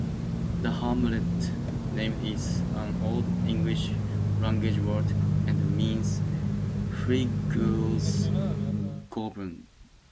The hamlet name is an Old English language word, and means 'Fygla's grove'.